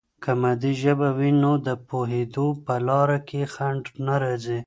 که مادي ژبه وي، نو د پوهیدو په لاره کې خنډ نه راځي.